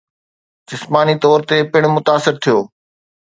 جسماني طور تي پڻ متاثر ٿيو